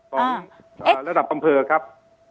ของระดับอำเภอครับ